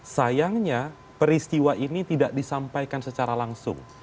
sayangnya peristiwa ini tidak disampaikan secara langsung